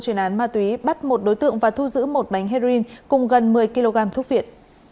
chuyên án ma túy bắt một đối tượng và thu giữ một bánh heroin cùng gần một mươi kg thuốc viện